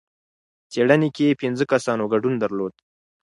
څېړنې کې پنځه کسانو ګډون درلود.